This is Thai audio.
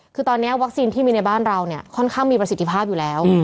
คือตอนนี้วัคซีนที่มีในบ้านเราเนี่ยค่อนข้างมีประสิทธิภาพอยู่แล้ว